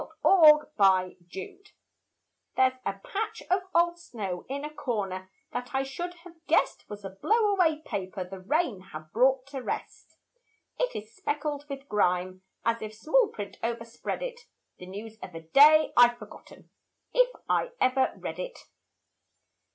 A PATCH OF OLD SNOW There's a patch of old snow in a corner That I should have guessed Was a blow away paper the rain Had brought to rest. It is speckled with grime as if Small print overspread it, The news of a day I've forgotten If I ever read it.